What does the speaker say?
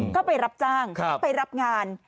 ก็ไปรับจ้างไปรับงาน